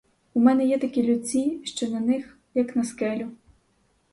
У мене є такі людці, що на них — як на скелю.